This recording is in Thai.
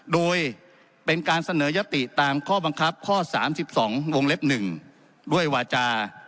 โดยเป็นการเสนอยติตามข้อบังคับข้อ๓๒วงเล็บ๑ด้วยวาจา